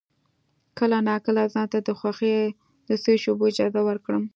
کله ناکله ځان ته د خوښۍ د څو شېبو اجازه ورکړه.